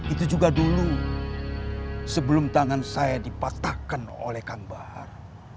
itu juga dulu sebelum tangan saya dipatahkan oleh kanbahar